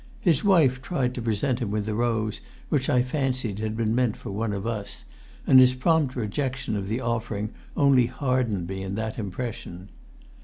His wife tried to present him with the rose which I fancied had been meant for one of us, and his prompt rejection of the offering only hardened me in that impression.